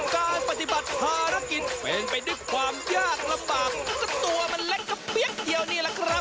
การปฏิบัติภารกิจเป็นไปด้วยความยากลำบากก็ตัวมันเล็กก็เปี๊ยกเดียวนี่แหละครับ